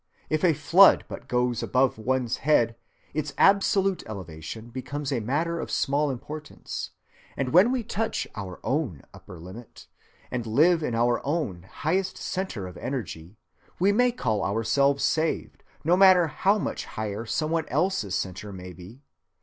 If a flood but goes above one's head, its absolute elevation becomes a matter of small importance; and when we touch our own upper limit and live in our own highest centre of energy, we may call ourselves saved, no matter how much higher some one else's centre may be.